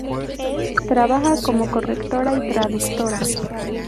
Trabaja como correctora y traductora.